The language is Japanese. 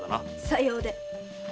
さようで。